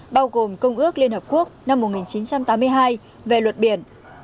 bao gồm công ước liên hợp quốc năm một nghìn chín trăm tám mươi hai về luật biển